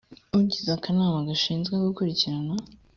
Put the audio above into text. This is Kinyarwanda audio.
ugize akanama gashinzwe gukurikirana